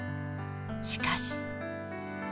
しかし。